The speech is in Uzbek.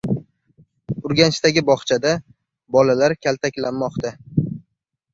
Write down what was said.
Urganchdagi bog‘chada bolalar kaltaklanmoqda